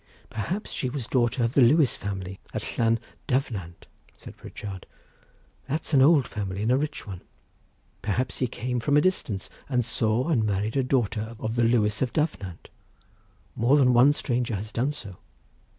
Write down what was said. "Perhaps she was the daughter of the Lewis family of Llan Dyfnant," said Pritchard; "that's an old family and a rich one. Perhaps he came from a distance and saw and married a daughter of the Lewis of Dyfnant—more than one stranger has done so.